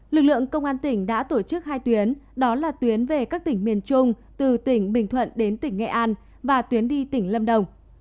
lực lượng công an tỉnh đã tổ chức hai tuyến đó là tuyến về các tỉnh miền trung từ tỉnh bình thuận đến tỉnh nghệ an và tuyến đi tỉnh lâm đồng